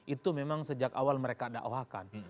itu memang sejak awal mereka dakwahkan